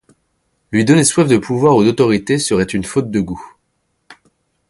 Lui donner soif de pouvoir ou d’autorité serait une faute de goût.